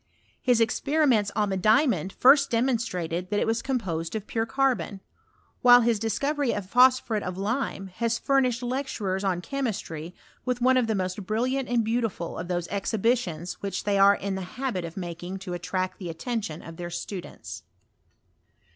His experiments on the diamond first demonstrated that it was composed of pure carbon ; while bis dis covery of phosphnret of lime has furnished lecturen on chemistry with one of the most brilliant and beautiful of those exhibitions which they are in the habit of making to attract the attention of their students.